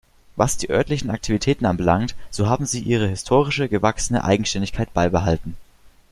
Was die örtlichen Aktivitäten anbelangt, so haben sie ihre historische gewachsene Eigenständigkeit beibehalten.